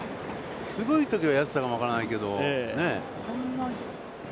すごい時はやってたかも分からんけど。